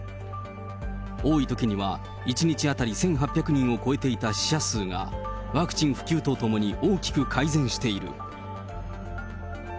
多いときには、１日当たり１８００人を超えていた死者数が、ワクチン普及とともに大きく改善している。